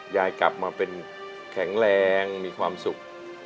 ยายกลับมาเป็นแข็งแรงมีความสุข